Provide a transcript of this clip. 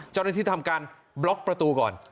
เจ้าหน้าที่ทำการบล็อกประตูก่อน